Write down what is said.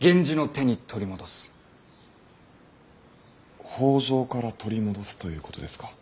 北条から取り戻すということですか。